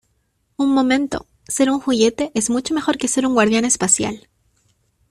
Un momento. Ser un juguete es mucho mejor que ser un guardián espacial .